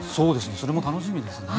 それも楽しみですね。